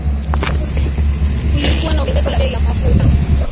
Kulikuwa na ongezeko la bei ya mafuta